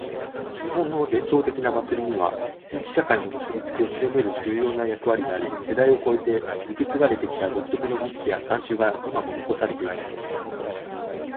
•「日本の伝統的な祭りには、地域社会の結びつきを強める重要な役割があり、世代を超えて受け継がれてきた独特の儀式や慣習が今も残されています。」